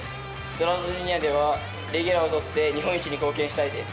スワローズジュニアではレギュラーを取って日本一に貢献したいです。